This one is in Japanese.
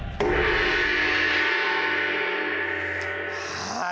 はい。